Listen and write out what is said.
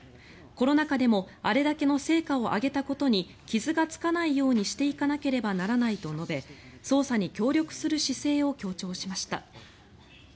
コロナ禍でもあれだけの成果を上げたことに傷がつかないようにしていかなければならないと述べ捜査に協力する姿勢を強調しました。